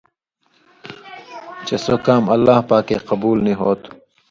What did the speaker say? چے سو کام اللہ پاکے قبُول نی ہو تھُو۔